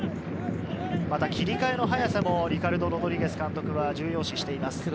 切り替えの早さもリカルド・ロドリゲス監督は重要視しています。